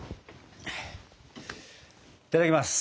いただきます。